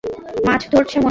মাছ ধরছে মনে হয়।